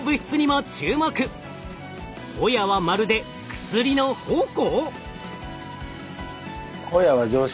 ホヤはまるで薬の宝庫！？